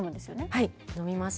はい飲みます